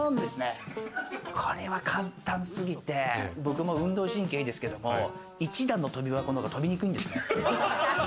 これは簡単すぎて僕も運動神経いいですけど、一段の跳び箱の方が飛びにくいんですよ。